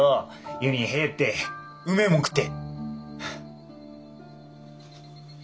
湯に入ってうめえもん食って。